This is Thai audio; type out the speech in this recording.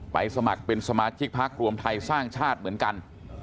สมัครเป็นสมาชิกพักรวมไทยสร้างชาติเหมือนกัน